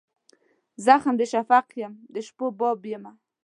زخم د شفق یم د شپو باب یمه